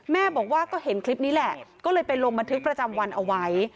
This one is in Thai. แม่บอกว่าก็เห็นคลิปนี้แหละก็เลยไปลงบันทึกประจำวันเอาไว้